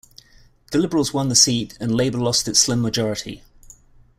The Liberals won the seat, and Labor lost its slim majority.